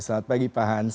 selamat pagi pak hans